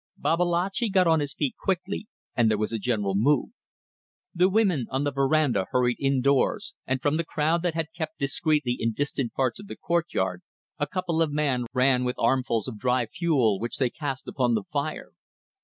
Babalatchi got on his feet quickly, and there was a general move. The women on the verandah hurried indoors, and from the crowd that had kept discreetly in distant parts of the courtyard a couple of men ran with armfuls of dry fuel, which they cast upon the fire.